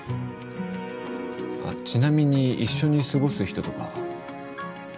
あっちなみに一緒に過ごす人とかは？